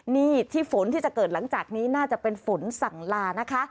นี่ที่ฝนที่จะเกิดหลังจากนี้น่าจะเป็นฝนสั่งลานะคะ